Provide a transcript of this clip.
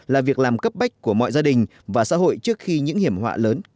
là việc làm cấp bách của mọi gia đình và xã hội trước khi những hiểm họa lớn có xảy ra